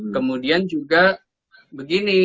kemudian juga begini